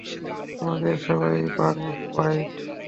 তোমাদের সেবায়, বাক ওয়াইল্ড।